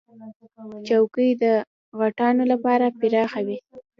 چوکۍ د غټانو لپاره پراخه وي.